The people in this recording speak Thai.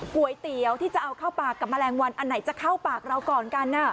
ก๋วยเตี๋ยวที่จะเอาเข้าปากกับแมลงวันอันไหนจะเข้าปากเราก่อนกัน